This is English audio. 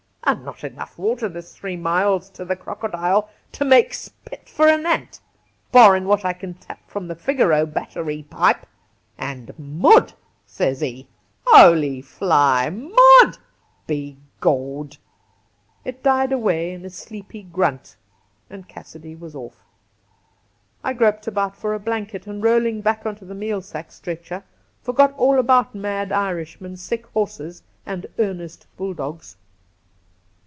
An' not enough water this three miles to the Crocodile to make spit for Cassidy 131 an ant, barrin' what I can tap from the Figaro Battery pipe ! An' .mud, sez he ? Holy Fly ! Mud, be Gawd 1' It died away in a sleepy grunt, and Cassidy was off. I groped about for a blanket, and, roll ing back into the meal sack stretcher, forgot all about mad Irishmen, sick horses, and earnest bulldogs.